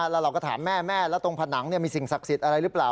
แล้วเราก็ถามแม่แม่แล้วตรงผนังมีสิ่งศักดิ์สิทธิ์อะไรหรือเปล่า